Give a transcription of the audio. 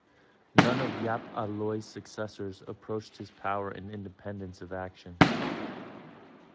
None of Yap Ah Loy's successors approached his power and independence of action.